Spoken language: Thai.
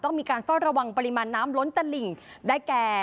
มีการเฝ้าระวังปริมาณน้ำล้นตลิ่งได้แก่